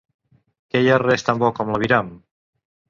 Que hi ha res tant bo com la viram?